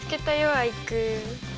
アイク。